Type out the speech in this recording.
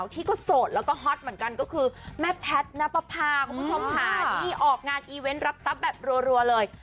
ที่ก็โสดแล้วก็ฮอตเหมือนกันก็คือแม่แพทย์ณปภาคุณผู้ชมค่ะนี่ออกงานอีเวนต์รับทรัพย์แบบรัวเลย